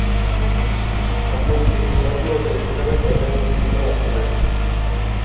اماں چٹھی لبیا تے اس طرح کریا جیاں میں آخنیس